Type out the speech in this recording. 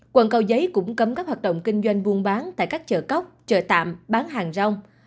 quận cầu giấy cũng cấm các hoạt động kinh doanh buôn bán tại các chợ cóc chợ tạm bán hàng rong